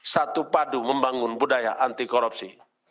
satu padu membangun budaya anti korupsi